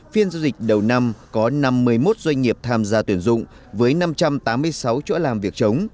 phiên giao dịch đầu năm có năm mươi một doanh nghiệp tham gia tuyển dụng với năm trăm tám mươi sáu chỗ làm việc chống